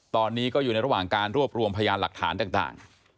ตอนนี้ก็อยู่ในระหว่างการรวบรวมพยานหลักฐานต่าง